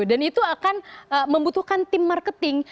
dan itu akan membutuhkan tim marketing